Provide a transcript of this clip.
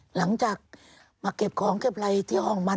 หลังจากมาเก็บของเก็บอะไรที่ห้องมัน